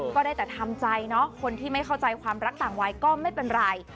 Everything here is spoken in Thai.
ก็ได้แต่ทำใจเนาะคนที่ไม่เข้าใจความรักต่างวัยก็ไม่เป็นไร